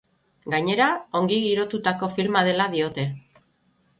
Gainera, ongi girotutako filma dela diote.